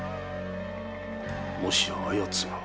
もしやあやつが。